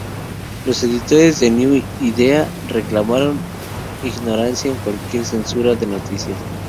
Los editores de "New Idea" reclamaron ignorancia de cualquier censura de noticias.